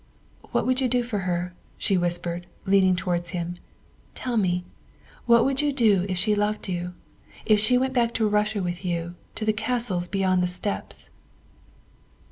" What would you do for her?" she whispered, lean ing towards him, " tell me, what would you do if she loved you ? If she went back to Russia with you, to the castles beyond the steppes?"